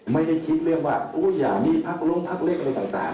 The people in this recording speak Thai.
ไม่ได้คิดเรื่องว่าอุ้ยอย่ามีภักดิ์ลุ่มภักดิ์เลขอะไรต่าง